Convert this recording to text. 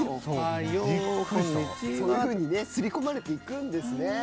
そういうふうにすり込まれていくんですね。